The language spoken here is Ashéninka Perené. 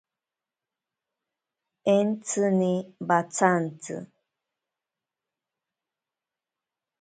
Entsini watsanti.